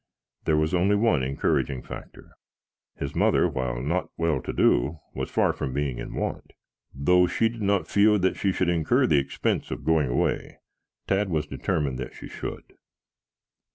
There was only one encouraging factor; his mother, while not well to do, was far from being in want. Though she did not feel that she should incur the expense of going away, Tad was determined that she should.